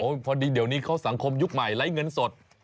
พอดีเดี๋ยวนี้เขาสังคมยุคใหม่ไร้เงินสด